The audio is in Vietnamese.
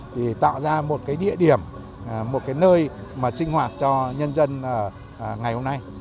thì tạo ra một cái địa điểm một cái nơi mà sinh hoạt cho nhân dân ngày hôm nay